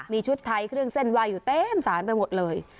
มีชุดไทยเครื่องเส้นไหว้อยู่เต็มสารไปหมดเลย